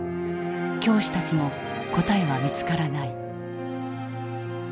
教師たちも答えは見つからない。